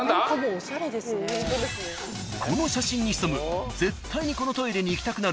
［この写真に潜む］